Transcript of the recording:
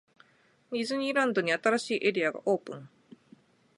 ディズニーランドに、新しいエリアがオープン!!